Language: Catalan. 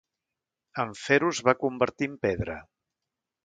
En fer-ho, es va convertir en pedra.